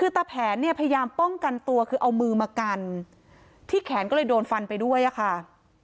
คือตะแผนเนี่ยพยายามป้องกันตัวคือเอามือมากันที่แขนก็เลยโดนฟันไปด้วยอะค่ะ